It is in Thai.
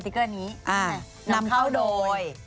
สติกเกอร์นี้นำเข้าโดย